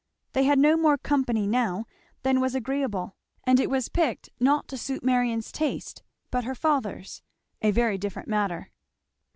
They had no more company now than was agreeable, and it was picked not to suit Marion's taste but her father's, a very different matter.